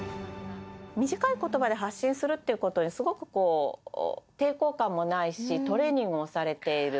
短いことばで発信するということで、すごくこう、抵抗感もないし、トレーニングもされている。